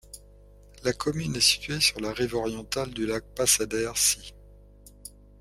La commune est située sur la rive orientale du lac Passader See.